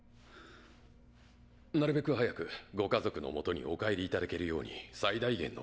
なるべく早くご家族のもとにお帰り頂けるように最大限の努力を。